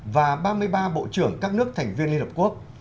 và ba mươi ba bộ trưởng các nước thành viên liên hợp quốc